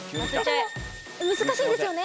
難しいんですよね？